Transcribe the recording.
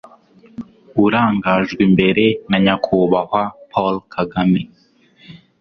urangajwe imbere na nyakubahwa paul kagame